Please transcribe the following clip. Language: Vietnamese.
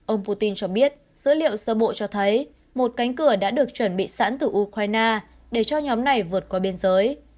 ông putin cho biết dữ liệu sơ bộ cho thấy một cánh cửa đã được chuẩn bị sẵn từ ukraine để cho nhóm này vượt qua biên giới